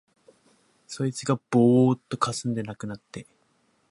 そいつがぼうっとかすんで無くなって、